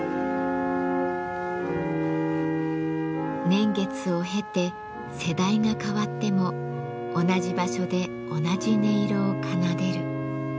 年月を経て世代が変わっても同じ場所で同じ音色を奏でる。